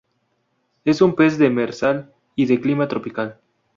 Es un pez demersal y de clima tropical.